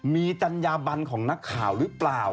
มีจัญญาบันของนักข่าวหรือเปล่า